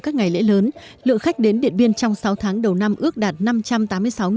các ngày lễ lớn lượng khách đến điện biên trong sáu tháng đầu năm ước đạt